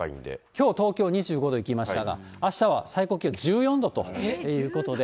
きょう東京２５度いきましたが、あしたは最高気温１４度ということで。